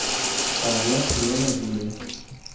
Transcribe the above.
Cauã e Ana Julia